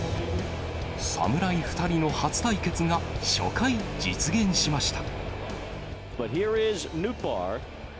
侍２人の初対決が初回、実現しました。